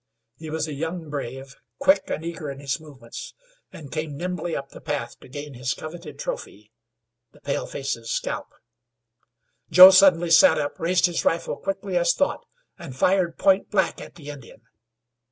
He was a young brave, quick and eager in his movements, and came nimbly up the path to gain his coveted trophy, the paleface's scalp. Suddenly Joe sat up, raised his rifle quickly as thought, and fired point blank at the Indian.